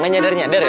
gak nyadar nyadar ya